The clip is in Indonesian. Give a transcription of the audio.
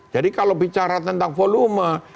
jadi kalau bicara tentang volume